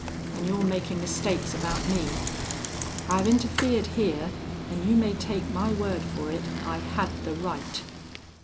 An' you're makin' mistakes about me. I've interfered here, an' you may take my word for it I had the right."